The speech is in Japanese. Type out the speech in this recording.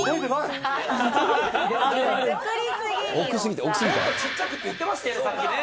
もっとちっちゃくって言ってましたよね、さっきね。